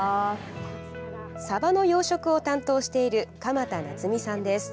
サバの養殖を担当している鎌田奈津実さんです。